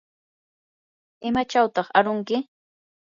¿imachawtaq arunki?